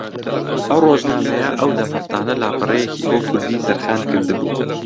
ئەم ڕۆژنامەیە ئەودەم ھەفتانە لاپەڕەیەکی بۆ کوردی تەرخان کردبوو